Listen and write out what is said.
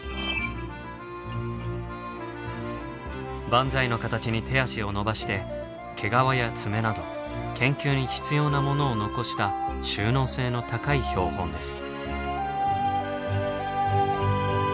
万歳の形に手足を伸ばして毛皮や爪など研究に必要なものを残した収納性の高い標本です。